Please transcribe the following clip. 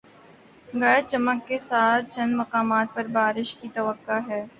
گرج چمک کے ساتھ چند مقامات پر بارش کی توقع ہے